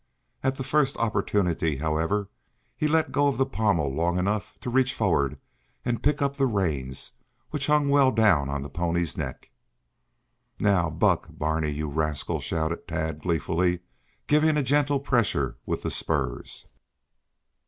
At the first opportunity, however, he let go of the pommel long enough to reach forward and pick up the reins, which hung well down on the pony's neck. "Now, buck, Barney, you rascal!" shouted Tad gleefully, giving a gentle pressure with the spurs.